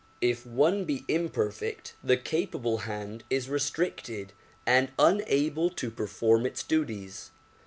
If one be imperfect the capable hand is restricted and unable to perform its duties.